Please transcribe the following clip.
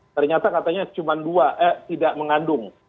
ternyata katanya cuma dua eh tidak mengandung